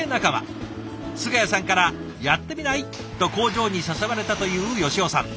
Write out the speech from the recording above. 菅谷さんから「やってみない？」と工場に誘われたという吉尾さん。